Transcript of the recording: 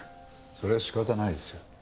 それは仕方ないですよ。